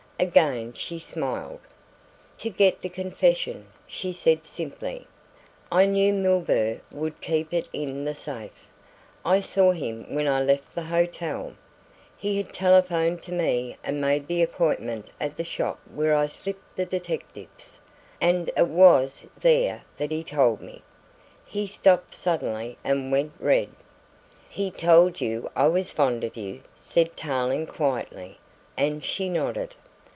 Again she smiled. "To get the confession," she said simply "I knew Milburgh would keep it in the safe. I saw him when I left the hotel he had telephoned to me and made the appointment at the shop where I slipped the detectives, and it was there that he told me " she stopped suddenly and went red. "He told you I was fond of you," said Tarling quietly, and she nodded.